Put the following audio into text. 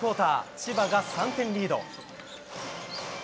千葉が３点リード。